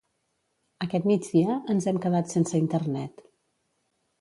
Aquest migdia ens hem quedat sense internet